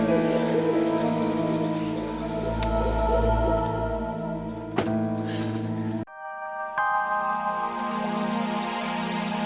terima kasih sakti